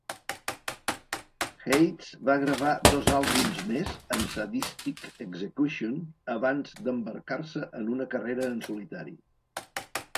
Hades va gravar dos àlbums més amb Sadistik Exekution abans d'embarcar-se en una carrera en solitari.